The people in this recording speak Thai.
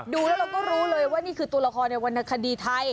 ดูแล้วเราก็รู้เลยว่านี่คือตัวละครในวรรณคดีไทย